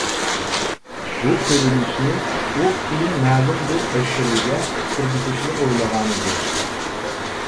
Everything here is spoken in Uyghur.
بۇ كۆرۈنۈشنى ئۇ كېيىن مەلۇم بىر ئەسىرىگە كىرگۈزۈشنى ئويلىغانىدى.